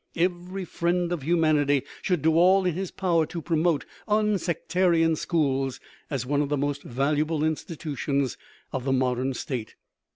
Every friend of humanity should do all in his power to promote unsectarian schools as one of the most val uable institutions of the modern state.